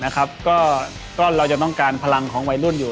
ก็เราจะต้องการพลังของวัยรุ่นอยู่